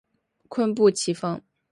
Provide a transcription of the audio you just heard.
坤布崎峰